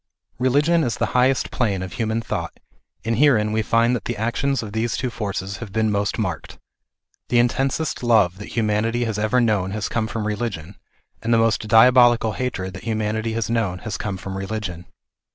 Religion is the highest plane of human thought, and herein we find that the actions of these two forces have been most marked. The in tensest love that humanity has ever known has come from religion, and the most diabolical hatred that humanity has known has come from religion.